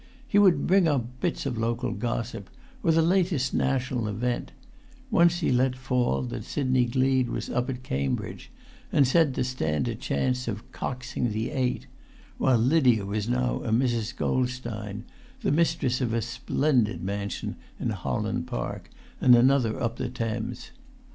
He would bring bits of local gossip, or the latest national event; once he let fall that Sidney Gleed was up at Cambridge, and said to stand a chance of "coxing the[Pg 235] eight," while Lydia was now a Mrs. Goldstein, the mistress of a splendid mansion in Holland Park, and another up the Thames.